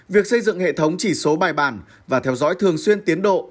việc xây dựng hệ thống chỉ số bài bản và theo dõi thường xuyên tiến độ